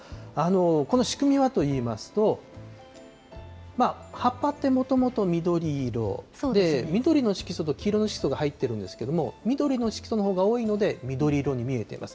この仕組みはといいますと、葉っぱってもともと緑色で、緑の色素と黄色の色素が入ってるんですけれども、緑の色素のほうが多いので、緑色に見えています。